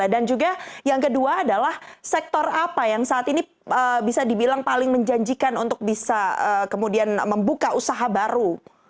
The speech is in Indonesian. dan juga yang kedua adalah sektor apa yang saat ini bisa dibilang paling menjanjikan untuk bisa kemudian membuka usaha baru